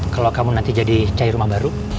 kalau kamu nanti jadi cari rumah baru